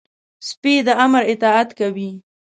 سپي د امر اطاعت کوي.